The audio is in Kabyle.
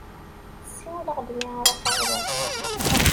Siwel-aɣ-d mi ara tawḍeḍ.